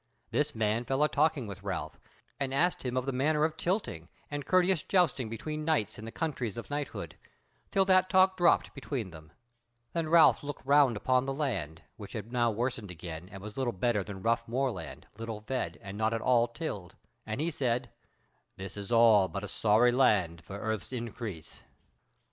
This man fell a talking with Ralph, and asked him of the manner of tilting and courteous jousting between knights in the countries of knighthood, till that talk dropped between them. Then Ralph looked round upon the land, which had now worsened again, and was little better than rough moorland, little fed, and not at all tilled, and he said: "This is but a sorry land for earth's increase."